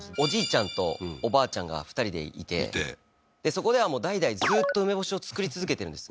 ちゃんとおばあちゃんが２人でいていてそこではもう代々ずっと梅干しを作り続けてるんです